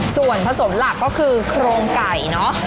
ส่วนผสมหลักก็คือโครงไก่เนอะ